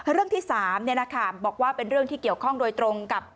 เรื่องที่๓บอกว่าเป็นเรื่องที่เกี่ยวข้องโดยตรงกับ